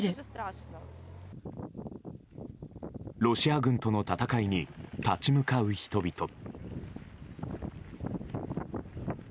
ロシア軍との戦いに立ち向かう人々。